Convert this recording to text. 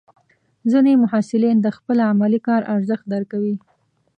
ځینې محصلین د خپل علمي کار ارزښت درکوي.